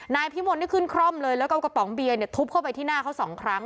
นายพิมลนี่ขึ้นคร่อมเลยแล้วก็เอากระป๋องเบียร์เนี่ยทุบเข้าไปที่หน้าเขาสองครั้ง